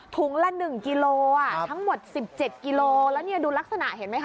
ถุงละ๑กิโลทั้งหมด๑๗กิโลแล้วเนี่ยดูลักษณะเห็นไหมค